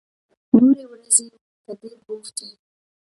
نورې ورځې ته ډېر بوخت يې.